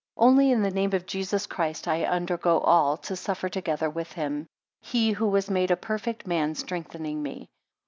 7 Only in the name of Jesus Christ, I undergo all, to suffer together with him; he who was made a perfect man strengthening, me.